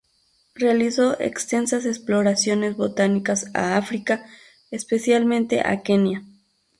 Realizó extensas exploraciones botánicas a África, especialmente a Kenia.